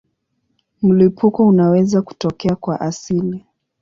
Mlipuko unaweza kutokea kwa asili.